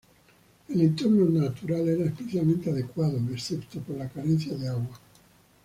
El entorno natural era especialmente adecuado, excepto por la carencia de agua.